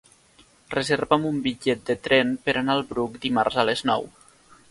Reserva'm un bitllet de tren per anar al Bruc dimarts a les nou.